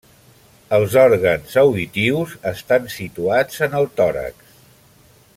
Els òrgans auditius estan situats en el tòrax.